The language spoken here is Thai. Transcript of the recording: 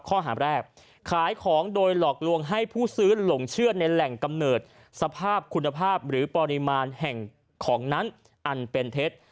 ข้อหาแรกขายของโดยหลอกลวงให้ผู้ซื้อหลงเชื่อในแหล่งกำเนิดสภาพคุณภาพหรือปริมาณแห่งของนั้นอันเป็นเท็จ